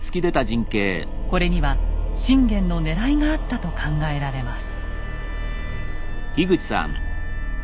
これには信玄のねらいがあったと考えられます。